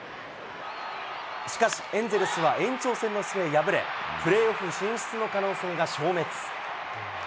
しかし、エンゼルスは延長戦の末敗れ、プレーオフ進出の可能性が消滅。